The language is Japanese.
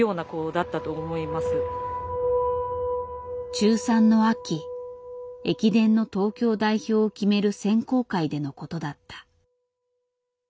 中３の秋駅伝の東京代表を決める選考会でのことだった。